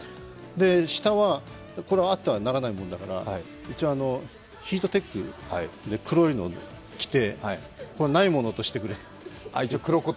下は、これはあってはならないものだから、ヒートテック黒いのを着て、ここはないものとしてくれと。